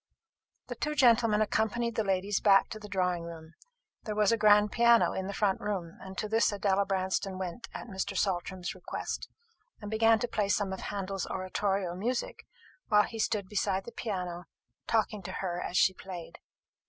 The two gentlemen accompanied the ladies back to the drawing room. There was a grand piano in the front room, and to this Adela Branston went at Mr. Saltram's request, and began to play some of Handel's oratorio music, while he stood beside the piano, talking to her as she played.